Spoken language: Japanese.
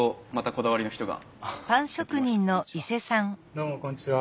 どうもこんにちは。